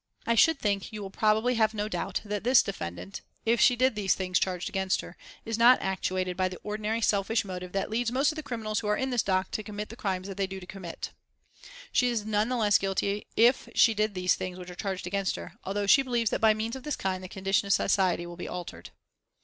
I should think you will probably have no doubt that this defendant, if she did these things charged against her, is not actuated by the ordinary selfish motive that leads most of the criminals who are in this dock to commit the crimes that they do commit. She is none the less guilty if she did these things which are charged against her, although she believes that by means of this kind the condition of society will be altered."